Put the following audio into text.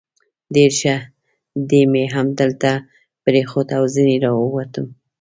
ډېر ښه، دی مې همدلته پرېښود او ځنې را ووتم.